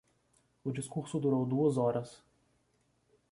O discurso durou duas horas